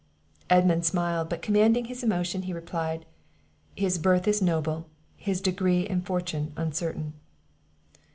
Edmund smiled; but, commanding his emotion, he replied, "His birth is noble, his degree and fortune uncertain."